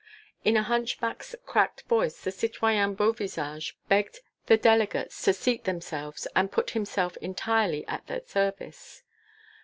In a hunchback's cracked voice the citoyen Beauvisage begged the delegates to seat themselves and put himself entirely at their service.